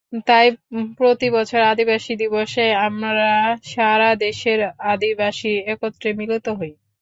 তাই প্রতিবছর আদিবাসী দিবসে আমরা সারা দেশের আদিবাসী একত্রে মিলিত হই।